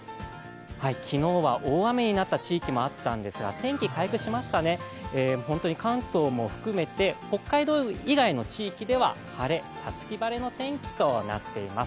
昨日は大雨になった地域もあったんですが天気回復しましたね、関東も含めて北海道以外の地域では晴れ、五月晴れの天気となっています。